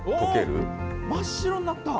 真っ白になった。